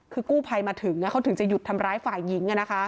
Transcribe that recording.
คือกู้ภัยมาถึงเขาถึงจะหยุดทำร้ายฝ่ายหญิง